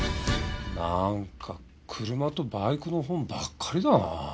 なんか車とバイクの本ばっかりだなあ。